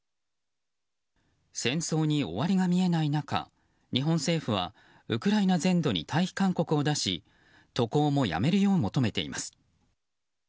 戦争に終わりが見えない中日本政府はウクライナ全土に退避勧告を出し渡航もやめるよう求めています。